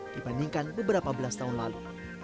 dibandingkan beberapa belas tahun lalu